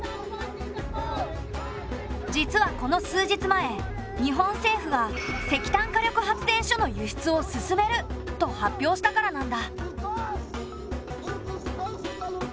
実はこの数日前日本政府が石炭火力発電所の輸出を進めると発表したからなんだ。